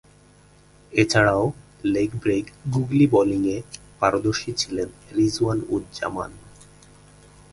এছাড়াও, leg break googly বোলিংয়ে পারদর্শী ছিলেন রিজওয়ান-উজ-জামান।